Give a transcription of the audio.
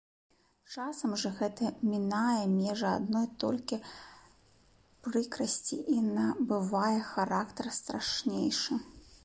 Часам жа гэта мінае межы адной толькі прыкрасці і набывае характар страшнейшы.